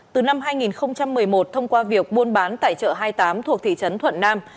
từ năm hai nghìn một mươi một thông qua việc buôn bán tại chợ hai mươi tám thuộc thị trấn thuận nam